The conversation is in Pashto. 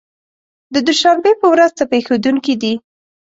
د دوشنبې په ورځ څه پېښېدونکي دي؟